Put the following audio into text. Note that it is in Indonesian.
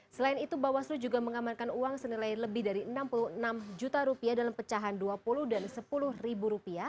selain itu bawaslu juga mengamankan uang senilai lebih dari rp enam puluh enam juta dalam pecahan rp dua puluh dan rp sepuluh